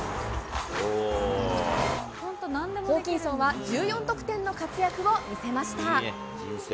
ホーキンソンは１４得点の活躍を見せました。